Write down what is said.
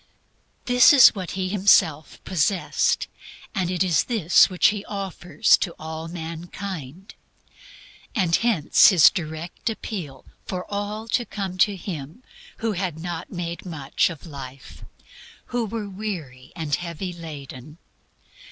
This is what He Himself possessed, and it was this which He offers to mankind. And hence His direct appeal for all to come to Him who had not made much of life, who were weary and heavy laden.